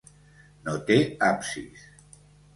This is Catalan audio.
No té absis.